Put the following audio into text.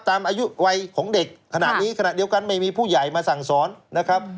ตามอายุวัยของเด็กขนาดนี้ขณะเดียวกันไม่มีผู้ใหญ่มาสั่งสอนนะครับ